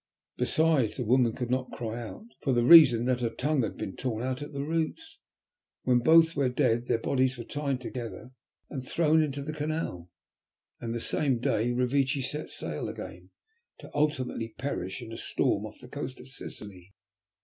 "Besides, the woman could not cry out for the reason that her tongue had been torn out at the roots. When both were dead their bodies were tied together and thrown into the canal, and the same day Revecce set sail again, to ultimately perish in a storm off the coast of Sicily.